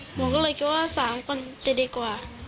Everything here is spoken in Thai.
หนูก็เลยคิดว่า๓คนจะดีกว่า